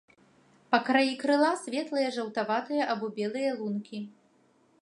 Па краі крыла светлыя жаўтаватыя або белыя лункі.